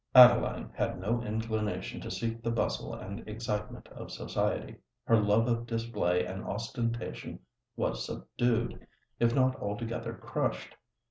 Adeline had no inclination to seek the bustle and excitement of society. Her love of display and ostentation was subdued—if not altogether crushed.